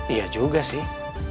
iya juga sih